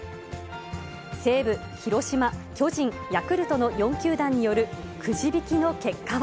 西武、広島、巨人、ヤクルトの４球団によるくじ引きの結果は。